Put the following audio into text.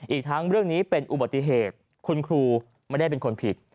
อีกทั้งเรื่องนี้เป็นอุบัติเหตุคุณครูไม่ได้เป็นคนผิด